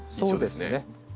そうですね。